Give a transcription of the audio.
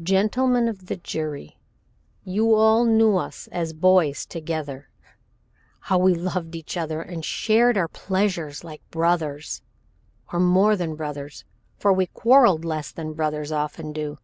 "Gentlemen of the Jury, you all knew us as boys together how we loved each other and shared our pleasures like brothers or more than brothers, for we quarreled less than brothers often do.